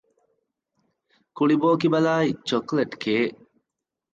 ކުޅި ބޯކިބަލާއި ޗޮކްލެޓްކޭއް